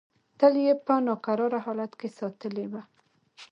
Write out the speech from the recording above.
تل یې په ناکراره حالت کې ساتلې وه.